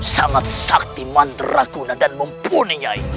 sangat saktiman rakyat dan mumpuni nyai